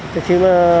thì khi mà